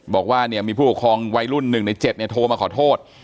บอกว่าเนี่ยมีผู้ปกครองวัยรุ่น๑ใน๗โทรมาขอโทษ